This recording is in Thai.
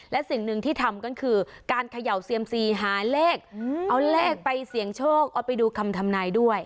และสิ่งหนึ่งที่ทำก็คือการเขย่าเซียมซีหาเลขเอาเลขไปเสี่ยงโชคเอาไปดูคำทำนายด้วย